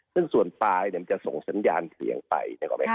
ซึ่งส่วนปลายจะส่งสัญญาณเคียงไป